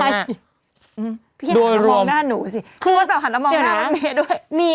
แค่ดูเนี๊ยวหน้าหนูสิ